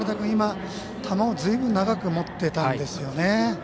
今、球をずいぶん長く持ってたんですよね。